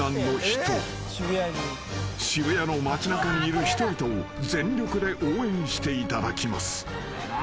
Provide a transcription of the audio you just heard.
［渋谷の街なかにいる人々を全力で応援していただきます］